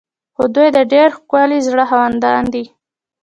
خو دوی د ډیر ښکلي زړه خاوندان دي.